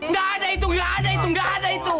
nggak ada itu nggak ada itu nggak ada itu